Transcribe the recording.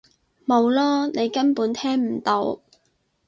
冇囉！你根本聽唔到！